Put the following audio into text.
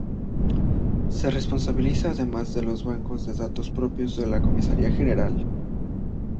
Se responsabiliza además de los bancos de datos propios de la Comisaría General.